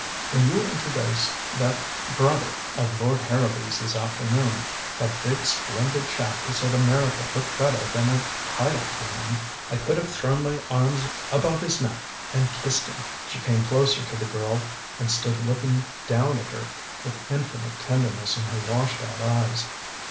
When you introduced that brother of Lord Harrowby's this afternoon that big splendid chap who said America looked better than a title to him I could have thrown my arms about his neck and kissed him!" She came closer to the girl, and stood looking down at her with infinite tenderness in her washed out eyes.